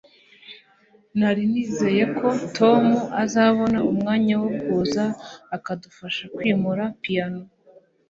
nari nizeye ko tom azabona umwanya wo kuza akadufasha kwimura piyano